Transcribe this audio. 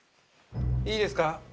いいですか？